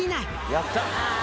やった！